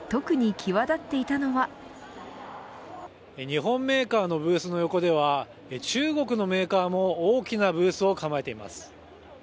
日本メーカーのブースの横では中国のメーカーも大きなブースを構えています。